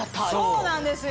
そうなんですよ。